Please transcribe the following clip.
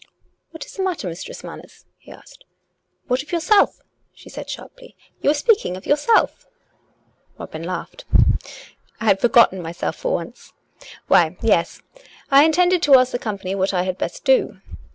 " What is the matter. Mistress Manners ?" he asked. "What of yourself?" she said sharply; "you were speaking of yourself." Robin laughed. " I had forgotten myself for once !... Why, yes ; 1 COME RACK! COME ROPE! 365 intended to ask the company what I had best do.